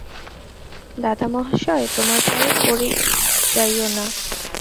দাদামহাশয়, তােমার পায়ে পড়ি যাইও না!